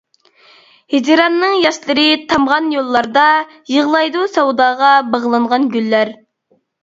ھىجراننىڭ ياشلىرى تامغان يوللاردا، يىغلايدۇ سەۋداغا باغلانغان گۈللەر.